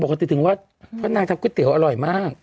บอกกันติดถึงว่าก็น่าจะก๋วยเตี๋ยวอร่อยมาก